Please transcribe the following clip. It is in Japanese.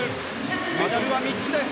メダルは３つです！